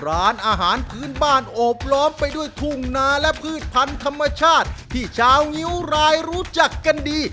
ร้านอาหารพื้นบ้านโอบล้อมไปด้วยทุ่งนาและพืชพันธุ์ธรรมชาติที่ชาวงิ้วรายรู้จักกันดี